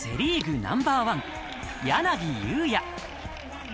ナンバーワン、柳裕也。